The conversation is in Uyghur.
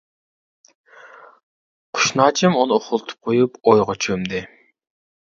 قۇشناچىم ئۇنى ئۇخلىتىپ قويۇپ ئويغا چۆمدى.